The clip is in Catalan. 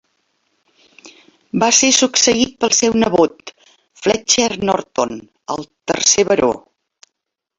Va ser succeït pel seu nebot, Fletcher Norton, el tercer baró.